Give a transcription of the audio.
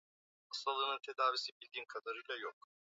s huyo ambaye tayari wameshaapishwa